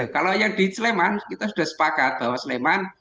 kalau yang di sleman kita sudah sepakat bahwa sleman